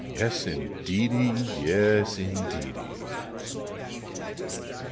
Yes, indeed} ! Yes, indeedv